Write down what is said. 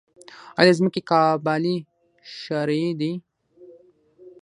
آیا د ځمکې قبالې شرعي دي؟